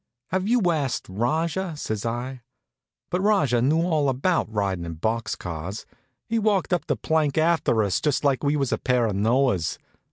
"Have you asked Rajah?" says I. But Rajah knew all about riding in box cars. He walked up the plank after us just like we was a pair of Noahs.